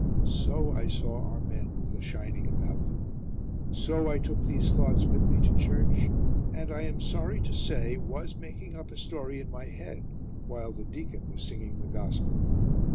So I saw our men with a shining about them, so I took these thoughts with me to church, and, I am sorry to say, was making up a story in my head while the deacon was singing the Gospel.